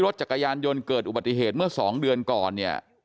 รถจักรยานยนต์เกิดอุบัติเหตุเมื่อ๒เดือนก่อนเนี่ย